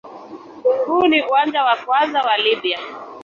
Huu ni uwanja wa kwanza wa Libya.